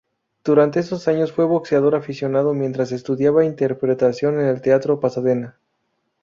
Durante esos años fue boxeador aficionado mientras estudiaba interpretación en el Teatro Pasadena.